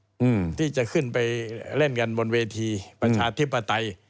อืมที่จะขึ้นไปเล่นกันบนเวทีประชาธิปไตย